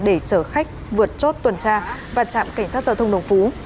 để chở khách vượt chốt tuần tra và trạm cảnh sát giao thông đồng phú